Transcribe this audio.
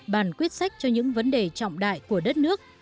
bàn quyết sách cho những vấn đề trọng đại của đất nước